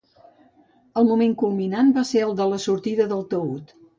El moment culminant va ser el de la sortida del taüt.